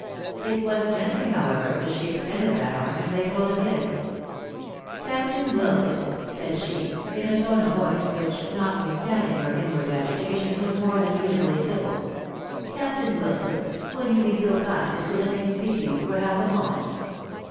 It was gently, however, that she extended that arm, and laid hold of his. " Captain Wilkins," said she, in a tone of voice which, notwithstanding her inward agitation, was more than usually civil ;" Captain Wilkins, wiU you be so kind as to let me speak to you for half a moment